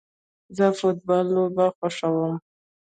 زه فټبال لوبه خوښوم